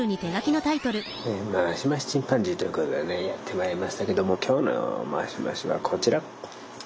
「マシマシチンパンジー」ということでねやってまいりましたけども今日のマシマシはこちら。